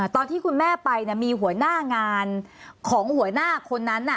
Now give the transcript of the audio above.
ตอนที่คุณแม่ไปมีหัวหน้างานของหัวหน้าคนนั้น